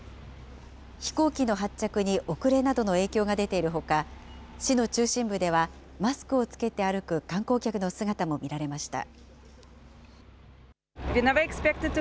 飛行機の発着に遅れなどの影響が出ているほか、市の中心部では、マスクを着けて歩く観光客の姿も見られました。